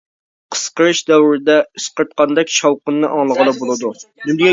قىسقىرىش دەۋرىدە ئىسقىرتقاندەك شاۋقۇننى ئاڭلىغىلى بولىدۇ.